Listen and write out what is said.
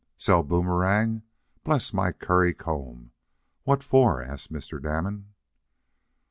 "Sell Boomerang! Bless my curry comb! what for?" asked Mr. Damon.